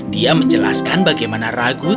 dia menjelaskan bagaimana ragut